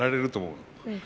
うん。